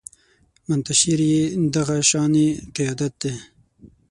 منتشر يې دغه شانې قیادت دی